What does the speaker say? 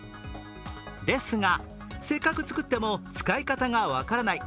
ですが、せっかく作っても使い方が分からない。